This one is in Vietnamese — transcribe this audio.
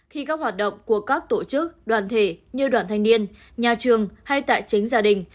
khi các hoạt động của các tổ chức đoàn thể như đoàn thanh niên nhà trường hay tại chính gia đình